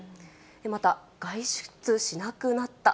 また、外出しなくなった。